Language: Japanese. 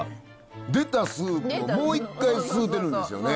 出たスープをもう一回吸うてるんですよね。